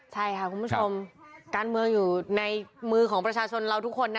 ใช่ค่ะคุณผู้ชมการเมืองอยู่ในมือของประชาชนเราทุกคนนะ